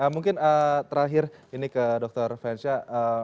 mungkin terakhir ini ke dr fensyah